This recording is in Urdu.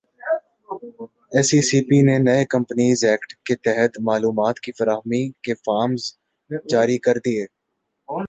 ایس ای سی پی نے نئے کمپنیز ایکٹ کے تحت معلومات کی فراہمی کے فارمز جاری کردیئے